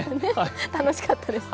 楽しかったです。